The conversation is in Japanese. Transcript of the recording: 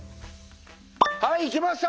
はいいけました！